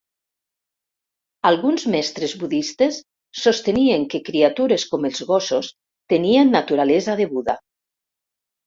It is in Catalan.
Alguns mestres budistes sostenien que criatures com els gossos tenien naturalesa de Buda.